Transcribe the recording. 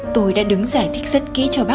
tôi đã đứng giải thích rất kỹ cho bác